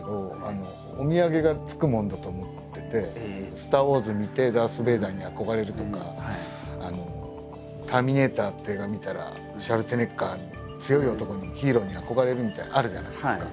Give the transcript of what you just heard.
「スター・ウォーズ」見てダース・ベイダーに憧れるとか「ターミネーター」っていう映画見たらシュワルツェネッガーに強い男にヒーローに憧れるみたいなあるじゃないですか。